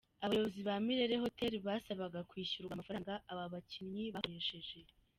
Abayobozi ba Milele Hotel basabaga kwishyurwa amafaranga aba bakinnyi bakoresheje.